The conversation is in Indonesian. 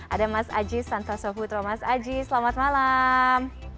ada mas aji santasofutro mas aji selamat malam